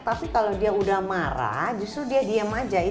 tapi kalau dia udah marah justru dia diem aja